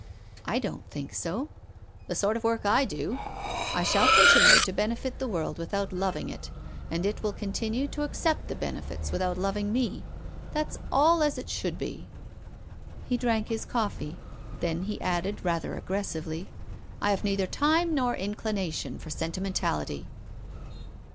" I don't think so." " The sort of work I do. I shall continue to PROFESSOR GUILDEA. 279 benefit the world without loving it, and it will continue to accept the benefits without loving me. That's all as it should be." He drank his coffee. Then he added, rather aggressively :" I have neither time nor inclination for sen timentality."